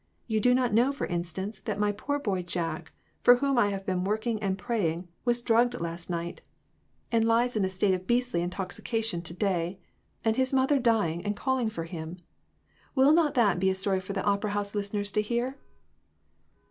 You do not know, for instance, that my poor boy Jack, for whom I have been working and pray ing, was drugged last night, and lies in a state of J. S. R. 423 beastly intoxication to day ; and his mother dying, and calling for him. Will not that be a story for the opera house listeners to hear?"